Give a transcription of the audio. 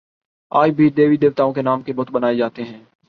آج بھی دیوی دیوتاؤں کے نام کے بت بنا ئے جاتے ہیں